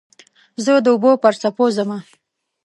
زه د اوبو پر څپو ځمه